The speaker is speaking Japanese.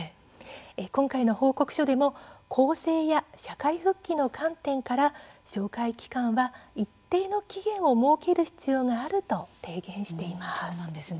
今回の報告書でも更生や社会復帰の観点から照会期間は一定の期限を設ける必要があると提言しています。